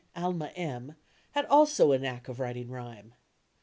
Alma M —, had also a knack of writing rhyme.